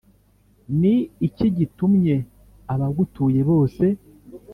Ni iki gitumye abagutuye bose